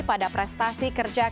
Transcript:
pada prestasi kerjaan